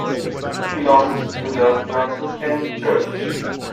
It belongs to the Franciscan church.